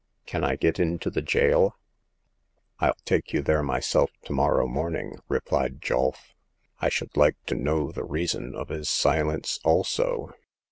Can I get into the jail ?"I'll take you there myself to morrow morn ing/' replied Julf. I should like to know the reason of his silence also.